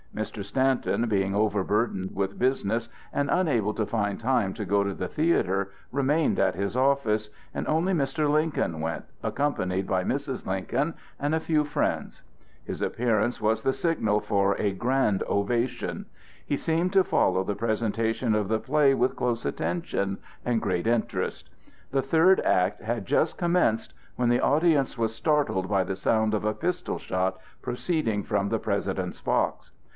Mr. Stanton, being overburdened with business and unable to find time to go to the theatre, remained at his office, and only Mr. Lincoln went, accompanied by Mrs. Lincoln and a few friends. His appearance was the signal for a grand ovation. He seemed to follow the presentation of the play with close attention and great interest. The third act had just commenced, when the audience was startled by the sound of a pistol shot proceeding from the President's box.